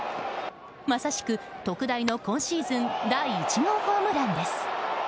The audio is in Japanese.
まさしく特大の今シーズン第１号ホームランです。